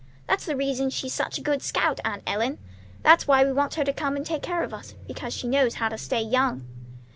"That's the reason she's such a good scout, Aunt Ellen. That's why we want her to come and take care of us. Because she knows how to stay young."